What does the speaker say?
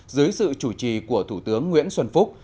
dưới sự chủ trì của thủ tướng nguyễn xuân phúc